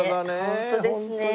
ホントですね。